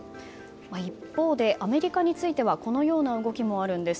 一方でアメリカについてはこのような動きもあるんです。